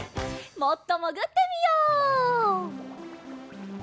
もっともぐってみよう。